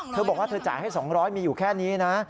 เธอบอกว่าเธอจ่ายให้๒๐๐มีอยู่แค่นี้นะ